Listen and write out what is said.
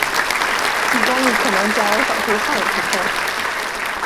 其中亦可能夹有少数汉语成分。